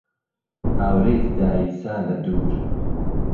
ئاورێک داییسا لە دوور